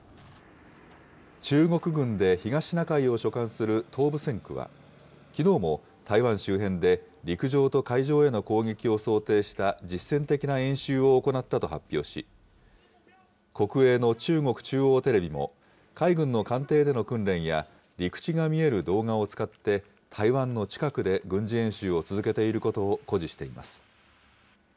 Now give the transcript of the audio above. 中国軍で東シナ海を所管する東部戦区は、きのうも台湾周辺で陸上と海上への攻撃を想定した実戦的な演習を行ったと発表し、国営の中国中央テレビも、海軍の艦艇での訓練や、陸地が見える動画を使って、台湾の近くで軍事演習を続けていることを誇示しています。